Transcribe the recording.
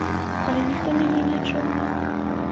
Але ніхто мяне не чуў.